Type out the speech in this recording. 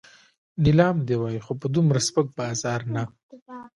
نیلام دې وای خو په دومره سپک بازار نه.